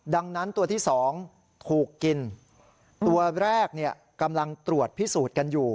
ดังนั้นตัวที่๒ถูกกินตัวแรกกำลังตรวจพิสูจน์กันอยู่